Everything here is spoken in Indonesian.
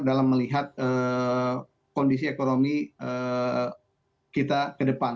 dalam melihat kondisi ekonomi kita kedepan